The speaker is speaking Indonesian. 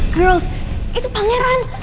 girls itu pangeran